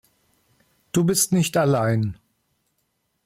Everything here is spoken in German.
Du bist nicht allein.